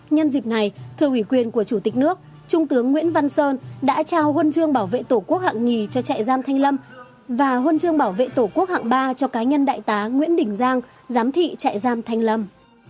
nhân dịp này thưa ủy quyền của chủ tịch nước trung tướng nguyễn văn sơn đã trao huân chương bảo vệ tổ quốc hạng nhì cho trại giam thanh lâm và huân chương bảo vệ tổ quốc hạng ba cho cá nhân đại tá nguyễn đình giang giám thị trại giam thanh lâm